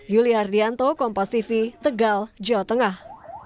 yuli hardianto kompastv tegal jawa tengah